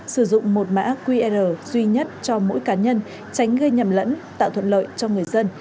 sử dụng một mã qr duy nhất cho mỗi cá nhân tránh gây nhầm lẫn tạo thuận lợi cho người dân